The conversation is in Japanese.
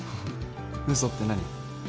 嘘って何？